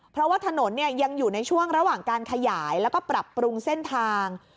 เพราะว่าถนนยังอยู่ในช่วงระหว่างการขยายแล้วก็ปรับปรุงเส้นทาง